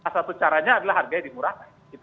satu caranya adalah harganya dimurah